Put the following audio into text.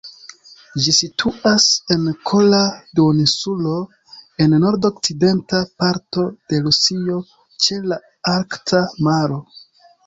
Ĝi situas en Kola duoninsulo, en nord-okcidenta parto de Rusio, ĉe la Arkta maro.